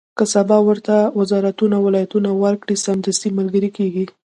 که سبا ورته وزارتونه او ولایتونه ورکړي، سمدستي ملګري کېږي.